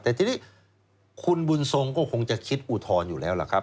แต่ทีนี้คุณบุญทรงก็คงจะคิดอุทธรณ์อยู่แล้วล่ะครับ